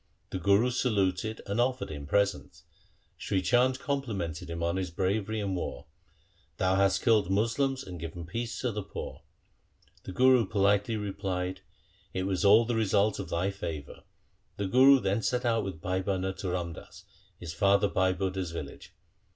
The Guru saluted and offered him presents. Sri Chand complimented him on his bravery in war :' Thou hast killed Moslems and given peace to the poor.' The Guru politely replied, ' It was all the result of thy favour.' The Guru then set out with Bhai Bhana to Ramdas, his father Bhai Budha's village.